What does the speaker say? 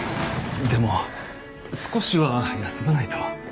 でも少しは休まないと。